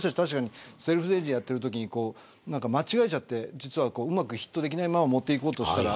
セルフレジをやっているときに間違えちゃってうまくヒットできないまま持っていこうとする。